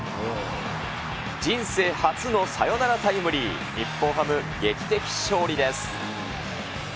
人生初のサヨナラタイムリー、日本ハム、劇的勝利です。